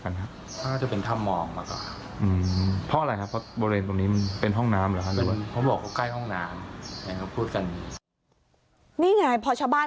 เขาก็คุยกันแบบนั้น